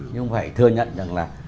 nhưng mà phải thừa nhận rằng là